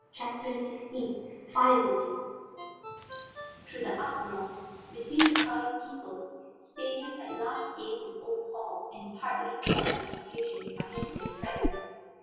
CHAPTER XVI FIRE LILIES Through the uproar, between the crowding people, Stanief at last gained his own hall and partly quelled the confusion by his mere presence.